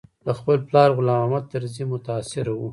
له خپل پلار غلام محمد طرزي متاثره و.